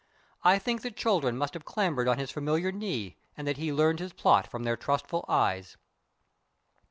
I think that children must have clambered on his familiar knee and that he learned his plot from their trustful eyes.